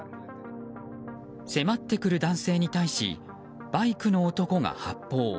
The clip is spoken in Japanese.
迫ってくる男性に対しバイクの男が発砲。